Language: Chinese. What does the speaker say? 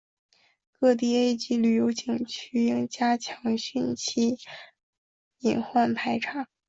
各地 A 级旅游景区应加强汛期隐患排查